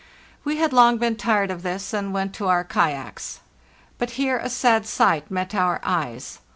We had long been tired of this, and went to our kayaks. But here a sad sight met our eyes.